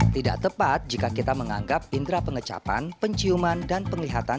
tidak tepat jika kita menganggap indera pengecapan penciuman dan penglihatan